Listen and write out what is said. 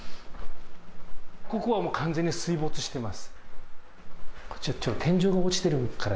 ここはもう完全に水没してます。